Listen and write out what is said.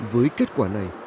với kết quả này